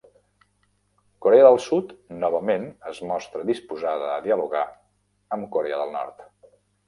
Corea del Sud novament es mostra disposada a dialogar amb Corea del Nord